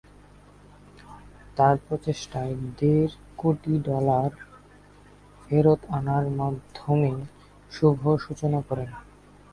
তার প্রচেষ্টায় দেড় কোটি ডলার ফেরত আনার মাধ্যমে শুভ সূচনা করেন।